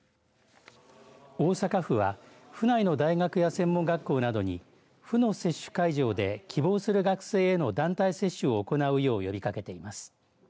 大阪府は府内の大学や専門学校などに府の接種会場で希望する学生への団体接種を行うよう呼びかけています。